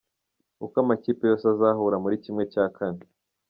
Uko amakipe yose azahura muri ¼